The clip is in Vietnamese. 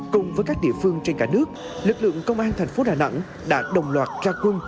cùng với các địa phương trên cả nước lực lượng công an thành phố đà nẵng đã đồng loạt ra quân